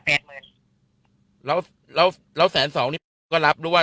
รับแล้วแล้วแล้วแสนสองนี้ก็รับรู้ว่า